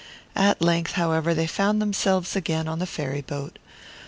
At length, however, they found themselves again on the ferry boat.